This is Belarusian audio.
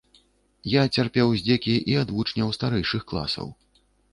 Я цярпеў здзекі і ад вучняў старэйшых класаў.